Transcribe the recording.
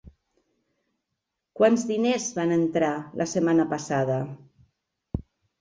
Quants diners van entrar, la setmana passada?